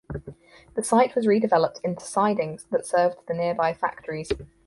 The site was redeveloped into sidings that served the nearby factories.